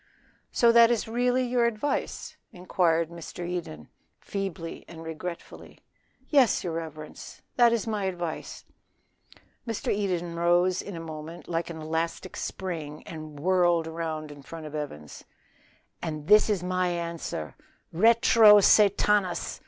"So that is really your advice?" inquired Mr. Eden, feebly and regretfully. "Yes, your reverence, that is my advice." Mr. Eden rose in a moment like an elastic spring, and whirled round in front of Evans. "And this is my answer RETRO SATANAS!"